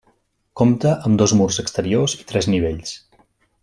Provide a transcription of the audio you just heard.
Compta amb dos murs exteriors i tres nivells.